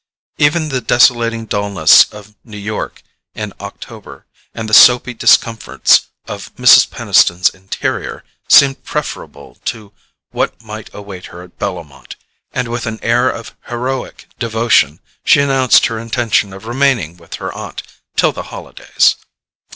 Even the desolating dulness of New York in October, and the soapy discomforts of Mrs. Peniston's interior, seemed preferable to what might await her at Bellomont; and with an air of heroic devotion she announced her intention of remaining with her aunt till the holidays.